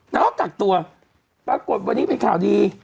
น้องก็กักตัวปรากฏวันนี้เป็นข่าวดี